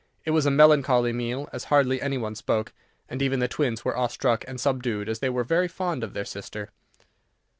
It was a melancholy meal, as hardly any one spoke, and even the twins were awestruck and subdued, as they were very fond of their sister.